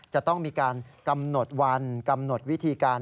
จะต้องมีการกำหนดวันกำหนดวิธีการ